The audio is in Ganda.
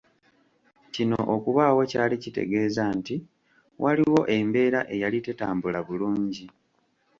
Kino okubaawo kyali kitegeeza nti waliwo embeera eyali tetambula bulungi.